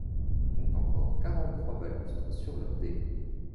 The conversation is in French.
On compte encore quarante-trois balustres sur leurs dés.